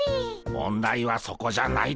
問題はそこじゃないでゴンス。